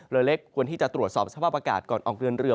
เรือเล็กควรที่จะตรวจสอบสภาพอากาศก่อนออกเดินเรือ